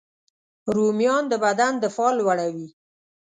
رومیان د بدن دفاع لوړوي